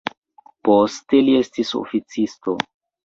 Poste li estis oficisto.